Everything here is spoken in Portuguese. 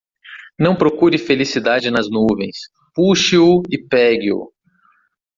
Não procure felicidade nas nuvens; Puxe-o e pegue-o!